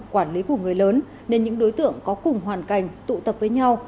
quản lý của người lớn nên những đối tượng có cùng hoàn cảnh tụ tập với nhau